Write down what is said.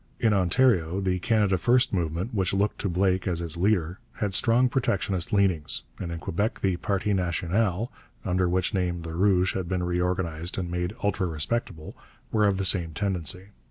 In Ontario the Canada First movement, which looked to Blake as its leader, had strong protectionist leanings, and in Quebec the Parti National, under which name the Rouges had been reorganized and made ultra respectable, were of the same tendency.